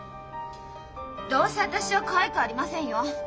どうせ私はかわいくありませんよ！